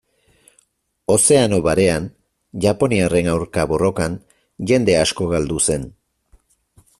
Ozeano Barean, japoniarren aurka borrokan, jende asko galdu zen.